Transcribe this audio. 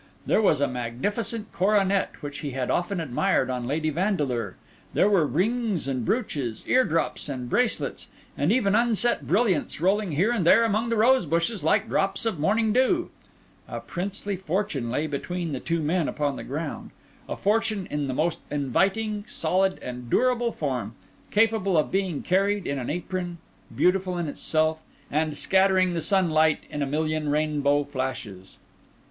There was a magnificent coronet which he had often admired on Lady Vandeleur; there were rings and brooches, ear drops and bracelets, and even unset brilliants rolling here and there among the rosebushes like drops of morning dew. A princely fortune lay between the two men upon the ground—a fortune in the most inviting, solid, and durable form, capable of being carried in an apron, beautiful in itself, and scattering the sunlight in a million rainbow flashes.